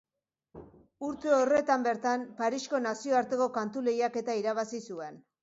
Urte horretan bertan Parisko nazioarteko kantu-lehiaketa irabazi zuen.